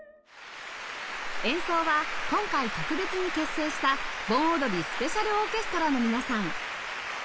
演奏は今回特別に結成した盆踊りスペシャルオーケストラの皆さん